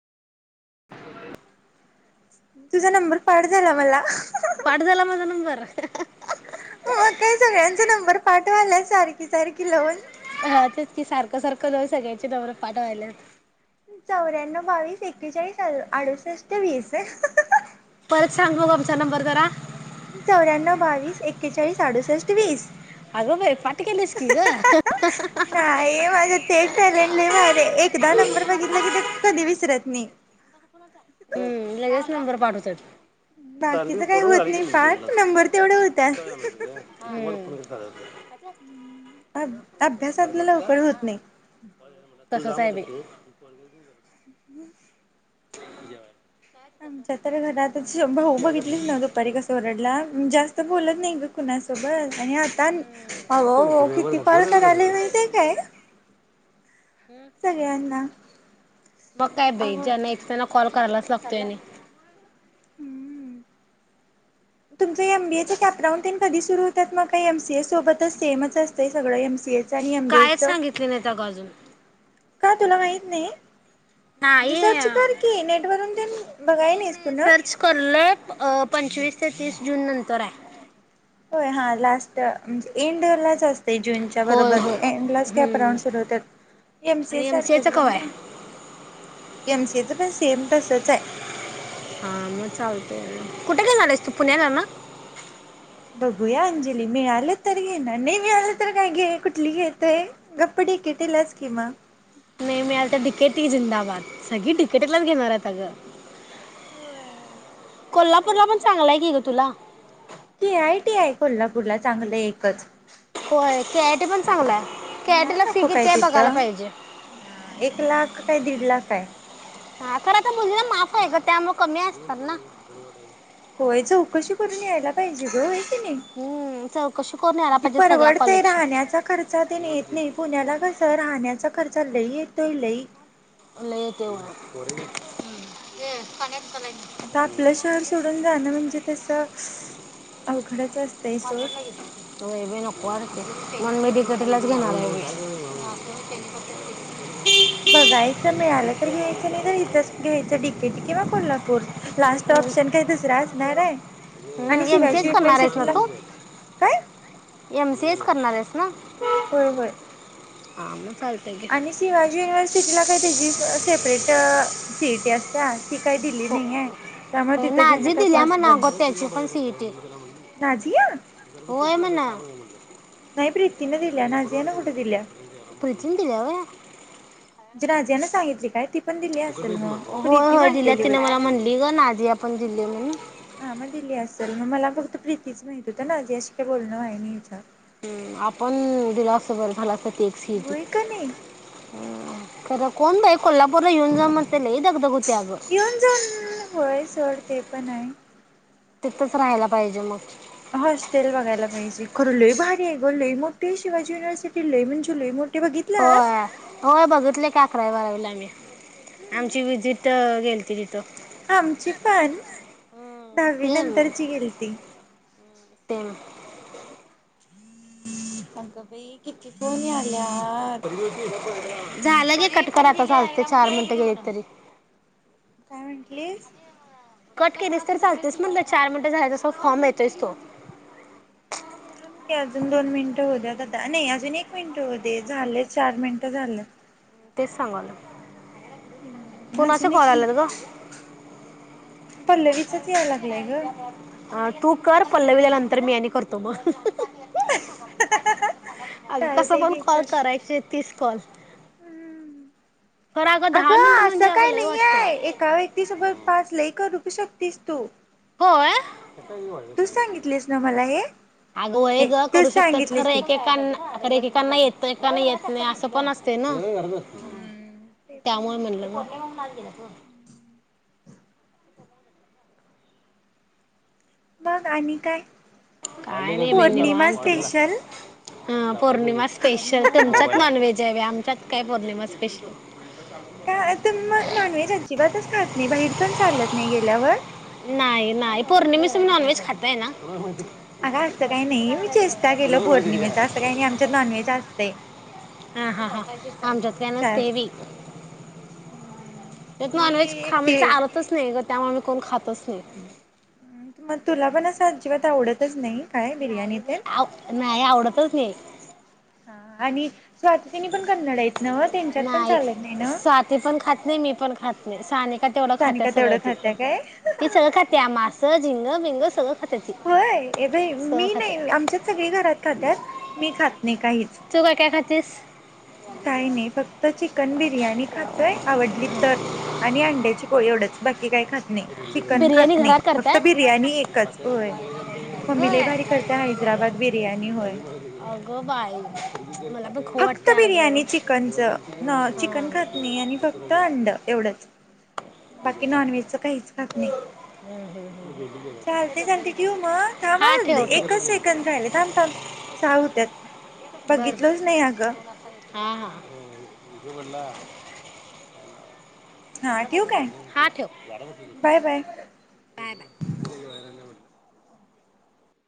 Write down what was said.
[inaudible] तुजा नंबर पाठ झाला मला. पाठ झाला माझा नंबर? मग काय सगळ्यांच नंबर पाठ व्हायल्यात सार कीसारखी लवन ह तेच की सारखं सारखं लावुन सगळ्यांची नंबरं पाठ व्हायल्यात. चौऱ्यान्नव, बावीस, एकेचाळीस, अडुसष्ट, वीसए. परत सांग बघु आमचा नंबर जरा. चौऱ्यान्नव, बावीस, एक्केचाळीस, अडुसष्ट, वीस. अगं बाई पाठ केलीस की ग. नाही माझं ते एक टॅलेंट लय भारी हाय एकदा नंबर बघितला की त्यो कधी विसरत नई. हम्म लगेच नंबर पाठवत्यात. बाकीच तांदूळ काही पडून होत राहिल नाही कनी पाठ दोनलाच नंबर तेवढे होतात अभ्यासातलं लवकर होत नाही [unintelligible] तसच आहे बाई. [inaudible] जेवायला. आमच्या तर घरातच शम्भ भाऊ बघितलीस न्हव दुपारी कस ओरडला जास्त. तो बोलत नाही गं. कुणासोबत आणि आता आन हम्म आव आव ओ किती कॉल करायल्या माहिती हाय काय? सगळ्यांना. मग काय बाई आहो ज्यांना एक त्यांना कॉल करायलाचं लागतोय आणि हम्म. तुमच एम बी ए चॅप्राहून तेन कधी सुरू होतात मग का एम सी ए सोबतच सेमच असतय सगळं एम सी ए कायच सांगितले नाहीत अगं अजून. का तुला माहित नाही? नाई, म्हणजे सर्च कर की नेट, नेटवरून तेन बघाय नई नाहीस तू नई ना सर्च करलोय अ पंचवीस ते तीस जून नंतर आय. होय हा लास्ट म्हंज एंड ला जास् ते जूनच्या होय बरोबर होय. एंड लाच हम्म कॅपराऊंड सुरू हुत्यात एम सी ए आणि एच सारखंच गं कवा म आहे? एम सी ए च पण सेम तसच आय. हा म चालतय, कुठ घेनार हायस तू पुण्याला ना? बघूया अंजली मिळाल तर घेणार, नई मिळालं तर काय घे कुठली घेतोय, गप्प डी के टी लाच कि म नई मिळालतर डी के टी जिंदाबाद, सगळी डी के टी लाच घेणार हायत अगं होय काय कोल्हापूरला पण करायचं. चांगल आय की गं तुला के आय टी आहे कोल्हापूरला चांगलं एकच होय के आय टी पण चांगल आय, के आय टी मिळाल ला फी नको काय किती आय बघायला तिथं. पाहिजे. हा एक लाख [unintelligible] हा खर आता मुलीला माफ हाय गं त्यामुळ कमी अस [unintelligible] ना होय चौकशी करून यायला पाहिजे गं बई हम्म चौकशी करून यायला तिनी [unintelligible] पाहिजे सगळ्या परवडतय कॉलेजची राहण्याचा खर्चातेन येत नई पुण्याला कस राहण्याचा खर्चा लई येतोय लई लई येतोय होय, [unintelligible] उम हम्म, खाणार? आता आपलं शहर सोडून जाणं म्हणजे तस स अवघडच अस [unintelligible] होय बई नको वाटतय. म्हणू मी डी के टी लाच [unintelligible] होय बघायचं मिळालं तर घ्यायचं नई तर इथंच घ्यायचं, डी के टी किंवा कोल्हापूर लास्ट ऑप्शन काय दुसरा असणार आय आणि बे. एम सी शिवाजी एस करणार युनिव्हर्सिटीला काय [unintelligible] एम सी ए च करणार येस ना? होय व्हय. हा मग चालतंय घे आणि Shivaji university C E T ला काय तेजी अ सेपरेट अ सि ई टी असत्या. ती काही दिली हो नाही आहे त्यामुळे अ तिथं घेणं नाझी काही दिल्या म्हण पॉसिबल नाही आगं तेची पण सि ई टी, नाझिया होय म्हण [unintelligible] नाही प्रीतीने दिल्या ते बरोबर नाझियानं कुठे दिल्या [unintelligible] प्रितीन दिल्या होय? जे नाझीयान सांगितली काय? ती पण दिली असेल मग [unintelligible] होय प्रीती होय दिल्या म्हटलेली तिन बाई मला म्हणली गं नाझिया पण दिले म्हणून हा मग दिली असेल मग मला फक्त प्रीतीच माहित हुत, नाझीयाशी काय बोलणं व्हाय न्हई हीच हम् आपण दिलो असतो बर झाल आसत. तेच की होय का नाही ह खर कोण बई कोल्हापूरला इऊन जावून म्हण इऊन जाऊन होय सोड ते पण हाय तिथंच राहायला पाहिजे मग हॉस्टेल बघायला पाहिजे खरं लई भारी हाय ग लई मोठीे शिवाजी युनिव्हर्सिटी लई म्हणजे लई मोठी बघितलास होय, होय बघितलोय काय अकरावी बरावीला [inaudible] आमची व्हिजिट गेलती तिथं- आमची पण दहावी सेम नंतरची गेलती सेम आगं बाई किती फोन याल्यात झालं घे कटकर आता चालत तय चार मिनटं गेली तरी काय म्हंटलीस कट केलीस तर चालतीस म्हटल चार मिनटं फॉर्म मिळतोयच तो थांब की अजून दोन मिनिटं होऊ द्यात नाही अजून एक मिनिट होवुदे झाले चार मिनिटं झालं तेच सांगालोय कोणाचे अजून एक कॉल मिनिट आल्यात ग पल्लवीचाच याय लागलाय ग हा तू कर पल्लवी ला नन तर मी आणि करतो मग अग कस चालतंय पण कॉल करायचेत तीस कॉल हम्म खरं दहा अगं मिनिटं म्हणजे असं अगं काही लय नाही हाय वाटतंय एका व्यक्तीसोबत पाच लई करू शकतीस तू होय तूच सांगितलीस ना मला हे अगवय ग तूच करू शकतात खरं सांगितलीस की एकेकांना खर एकेकांना येत तर एकाना येत नाही असं पण असतय ना हम्म ते पण त्यामुळ आहे म्हणल सोड. म मग आणि काय काय नाही बाई पौर्णिमा निवांत स्पेशल हां पौर्णिमा स्पेशल तुमच्यात नॉनव्हेज हाय बाई आम च्यात काय पौर्णिमा स्पेशल काय तुम्ही मग नॉनव्हेज अजिबातच खात नाही बाहेर पण चालत नाही गेल्यावर नाई, नाई पौर्णिमेच पण नॉनव्हेज खातय ना अग असं काय नाही मी चेश्टा केलं पौर्णिमेचा असं काय नाही आमच्यात नॉनव्हेज असतय हा हा आमच्यात काय नसतय बाई त्यात मी नॉनव्हेज खाल तर एकटी चालतच नाही ग त्यामुळे- आम्ही कोण खातस नाही. मग तुला पण असं अजिबात आवडतच नाही काय बिर्याणी नाही बाई तेन? आव नाही आवडत तूच ये आ आणि स्वातीनी पण कन्नड आहेत नव्ह त्यांच्यात पण नाही चालत नाही नव्ह स्वाती पण खात नाही मी पण खात ना ही सानी का तेवढ खातिया सानिका तेवढं सगळं ती खात्या काय ती सगळं खातिया मास झिंग ग सगळ होय, ए बाई मी नाही आमच्यात सगळी घरात खात्यात मी खात नाही काहीच. तू काय काय खातेस काय नाही, फक्त चिकन बिर्याणी खातोय आवडली तर आणि अंड्याची पोळी एवढंच बाक की काय खात नाही चिकन बिर्याणी खात नाही, घरात फक्त करताय बिर्याणी एकच होय पम्मी लई होय भारी करतिया हैदराबाद बिर्यानी होय. अगं बाई मला पण खाऊ फक्त वाटते अगं बिर्याणी चिकनचं नो चिकन हां खात नाही आणि फक्त अंड एवढंच, बाकी नॉनव्हेजचं काहीच खात नाही चालतयं चालतयं ठेवू मग हा थांब ठेव ठेव एकच सेकंद राहिलयं थांब थांब सहा होत्यात बरं बरं बघितलोच नाही अगं हा हा. हा ठेवू काय हा ठेव. Bye bye bye bye